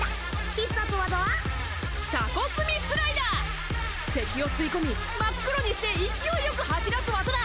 必殺技は敵を吸い込み真っ黒にして勢いよく吐き出す技だ！